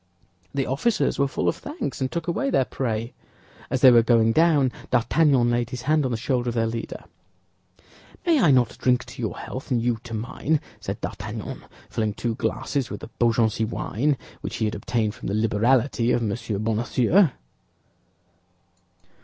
The officers were full of thanks, and took away their prey. As they were going down D'Artagnan laid his hand on the shoulder of their leader. "May I not drink to your health, and you to mine?" said D'Artagnan, filling two glasses with the Beaugency wine which he had obtained from the liberality of M. Bonacieux.